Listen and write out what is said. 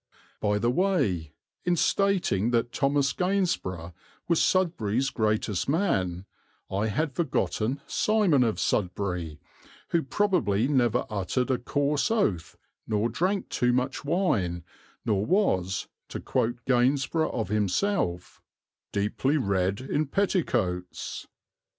By the way, in stating that Thomas Gainsborough was Sudbury's greatest man I had forgotten Simon of Sudbury, who probably never uttered a coarse oath, nor drank too much wine, nor was, to quote Gainsborough of himself, "deeply read in petticoats."